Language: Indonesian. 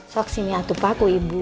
sok sini atu paku ibu